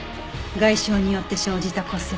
外傷によって生じた骨折よ。